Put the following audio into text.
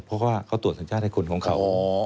เพราะว่าเขาตรวจสัญชาติให้คนของเขา